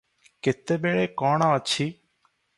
କେତେବେଳେ କଣ ଅଛି